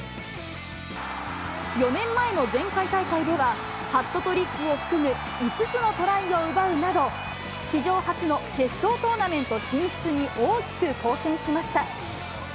４年前の前回大会では、ハットトリックを含む５つのトライを奪うなど、史上初の決勝トーナメント進出に大きく貢献しました。